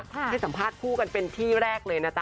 ให้สัมภาษณ์คู่กันเป็นที่แรกเลยนะจ๊